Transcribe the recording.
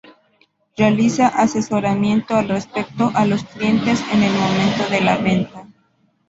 Realiza asesoramiento al respecto a los clientes en el momento de la venta.